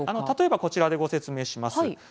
例えばこちらでご説明します。